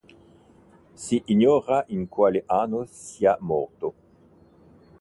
Si ignora in quale anno sia morto.